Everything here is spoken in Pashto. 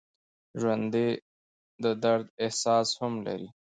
ژوندي د درد احساس هم لري